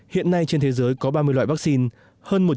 hiện nay trên thế giới có ba mươi loại vaccine